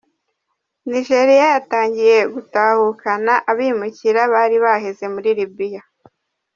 Nigeriya yatangiye gutahukana abimukira bari baheze muri Libya.